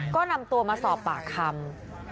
ก็นำตัวมาสอบปากคำ